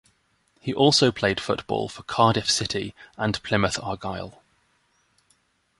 He also played football for Cardiff City and Plymouth Argyle.